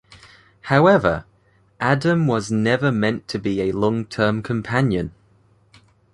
However, Adam was never meant to be a long-term companion.